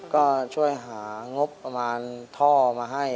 ก็ช่วยหางบประมาณท่อมาให้